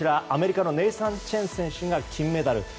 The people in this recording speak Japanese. アメリカのネイサン・チェン選手が金メダル。